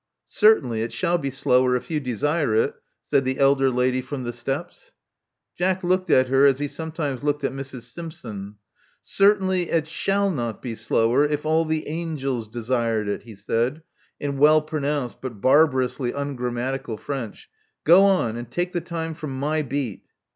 "Certainly, it shall be slower if you desire it," said the elder lady from the steps, Jack looked at her as he sometimes looked at Mrs. Simpson. Certainly it shall not be slower, if all the angels desired it," he said, in well pronounced but barbarously ungrammat ical French. Go on; and take the time from my beat."